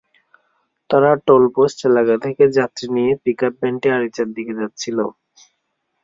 তরা টোলপোস্ট এলাকা থেকে যাত্রী নিয়ে পিকআপ ভ্যানটি আরিচার দিকে যাচ্ছিল।